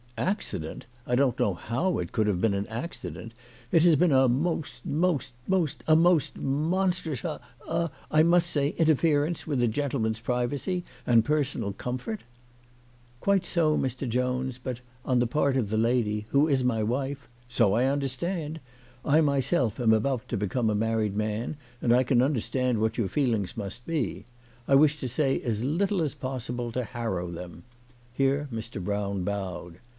" Accident ! I don't know how it could have been an accident. It has been a most most most a most monstrous, er, er, I must say, interference with a gentleman's privacy, and personal comfort." " Quite so, Mr. Jones, but, on the part of the lady, who is my wife "" So I understand. I myself am about to become a married man, and I can understand what your feelings must be. I wish to say as little as possible to harrow them." Here Mr. Brown bowed.